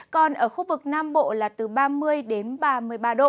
còn ở khu vực nam bộ là từ ba mươi đến ba mươi ba độ